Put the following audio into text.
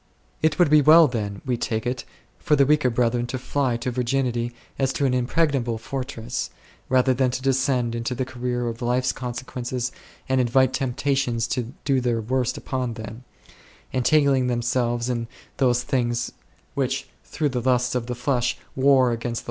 It would be well then, we take lit, for the weaker brethren to fly to virginity as into an impregnable fortress, rather than to de scend into the career of life's consequences and invite temptations to do their worst upon them, •entangling themselves in those things which through the lusts of the flesh war against the